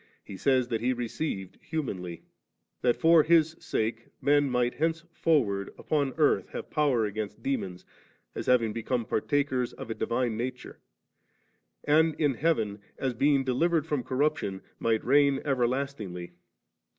He says that He received humanly ^; that for His sake men might henceforward upon earth have power against demons, as having become par takers of a divine nature ; and in heaven, as being delivered from corruption, might reign everlastingly.